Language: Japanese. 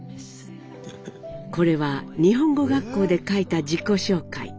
これは日本語学校で書いた自己紹介。